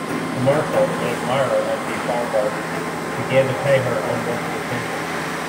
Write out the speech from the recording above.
The marshal, an admirer of Mme Favart, began to pay her unwanted attentions.